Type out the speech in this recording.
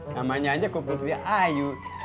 namanya aja kok putri ayu